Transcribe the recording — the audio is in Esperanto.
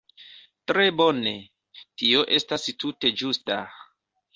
Tre bone; tio estas tute ĝusta.